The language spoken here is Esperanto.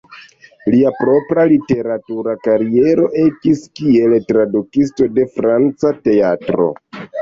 Lia propra literatura kariero ekis kiel tradukisto de franca teatro.